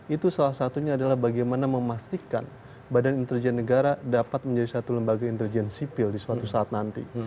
itu salah satunya adalah bagaimana memastikan badan intelijen negara dapat menjadi satu lembaga intelijen sipil di suatu saat nanti